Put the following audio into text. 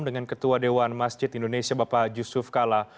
dengan ketua dewan masjid indonesia bapak yusuf kala